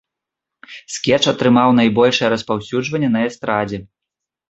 Скетч атрымаў найбольшае распаўсюджванне на эстрадзе.